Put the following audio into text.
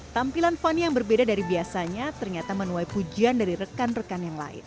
tampilan fanny yang berbeda dari biasanya ternyata menuai pujian dari rekan rekan yang lain